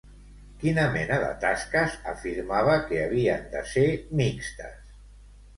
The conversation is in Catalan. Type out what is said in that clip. Quina mena de tasques afirmava que havien de ser mixtes?